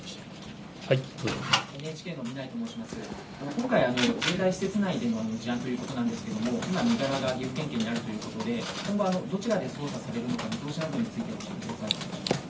今回、自衛隊施設内での事案ということなんですけれども、今、身柄が岐阜県警にあるということで、今後、どちらで捜査されるのか、見通しなどについてお聞かせください。